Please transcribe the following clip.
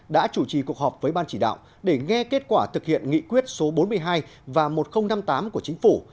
đã chủ trì cuộc họp với ban chỉ đạo để nghe kết quả thực hiện nghị quyết số bốn mươi hai và một nghìn năm mươi tám của chính phủ